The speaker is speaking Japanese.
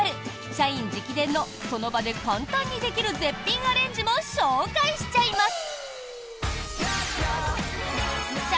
社員直伝のその場で簡単にできる絶品アレンジも紹介しちゃいます！